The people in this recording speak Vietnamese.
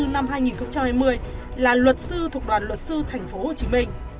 năm hai nghìn hai mươi là luật sư thuộc đoàn luật sư thành phố hồ chí minh